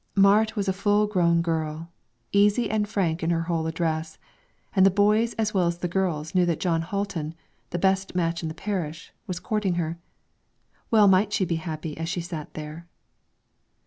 Marit was a full grown girl, easy and frank in her whole address, and the boys as well as the girls knew that Jon Hatlen, the best match in the parish, was courting her, well might she be happy as she sat there.